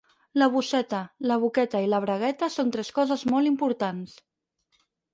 La bosseta, la boqueta i la bragueta són tres coses molt importants.